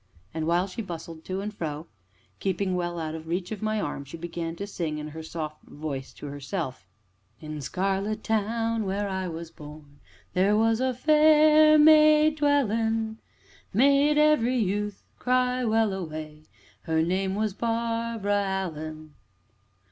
And while she bustled to and fro (keeping well out of reach of my arm), she began to sing in her soft voice to herself: "'In Scarlet town, where I was born, There was a fair maid dwellin', Made every youth cry Well a way! Her name was Barbara Allen.'"